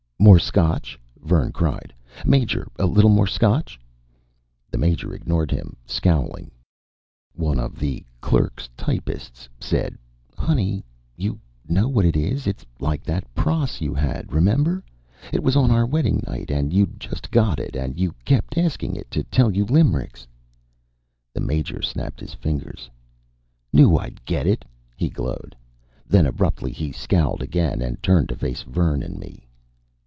"More scotch?" Vern cried. "Major, a little more scotch?" The Major ignored him, scowling. One of the "clerks, typists" said: "Honey, you know what it is? It's like that pross you had, remember? It was on our wedding night, and you'd just got it, and you kept asking it to tell you limericks." The Major snapped his fingers. "Knew I'd get it," he glowed. Then abruptly he scowled again and turned to face Vern and me.